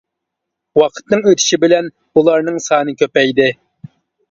ۋاقىتنىڭ ئۆتۈشى بىلەن بۇلارنىڭ سانى كۆپەيدى.